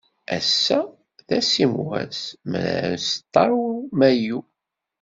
Ass-a d asimwas, mraw tam Mayu.